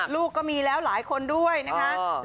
ลูกก็มีแล้วหลายคนด้วยนะคะ